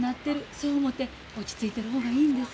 そう思て落ち着いてる方がいいんです。